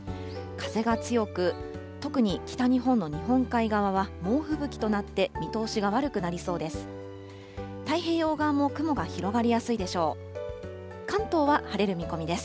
風が強く、特に北日本の日本海側は猛吹雪となって、見通しが悪くなりそうです。